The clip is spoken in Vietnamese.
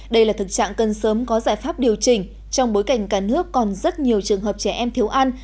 đây là thực trạng cân sớm có giải pháp điều chỉnh trong bối cảnh cả nước còn rất nhiều trường hợp trẻ em thiếu ăn